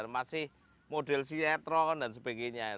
masih model sinetron dan sebagainya